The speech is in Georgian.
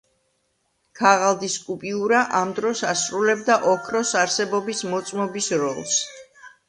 ქაღალდის კუპიურა ამ დროს ასრულებდა ოქროს არსებობის მოწმობის როლს.